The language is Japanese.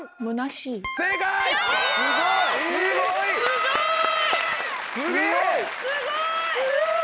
すごい！